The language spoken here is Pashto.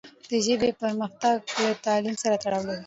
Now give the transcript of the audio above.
د ژبې پرمختګ له تعلیم سره تړاو لري.